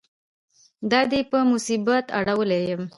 دا دې په مصیبت اړولی یم.